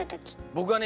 僕はね